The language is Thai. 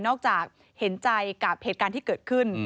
จากเห็นใจกับเหตุการณ์ที่เกิดขึ้น